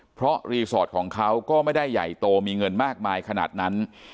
เพราะรีสอร์ทของเขาก็ไม่ได้ใหญ่โตมีเงินมากมายขนาดนั้น